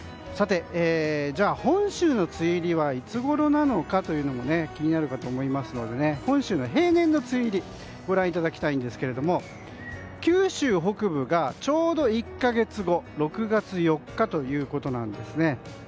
本州の梅雨入りはいつごろなのかというのも気になるかと思いますので本州の平年の梅雨入りをご覧いただきたいんですが九州北部がちょうど１か月後６月４日ということですね。